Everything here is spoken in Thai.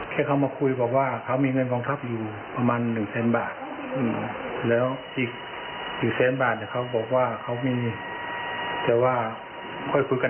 แค่เขามาคุยบอกว่าเขามีเงินกองทัพอยู่ประมาณ๑แสนบาทแล้วอีกแสนบาทเขาบอกว่าเขามีแต่ว่าค่อยคุยกัน